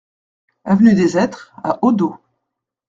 Avenue des Hêtres à Odos